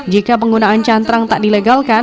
jika penggunaan cantrang tak dilegalkan